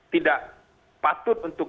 tidak patut untuk